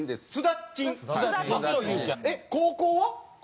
えっ高校は？